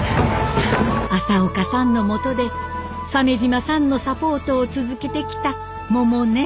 朝岡さんのもとで鮫島さんのサポートを続けてきた百音。